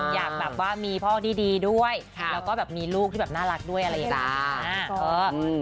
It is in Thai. อยากแบบว่ามีพ่อดีด้วยแล้วก็แบบมีลูกที่แบบน่ารักด้วยอะไรอย่างนี้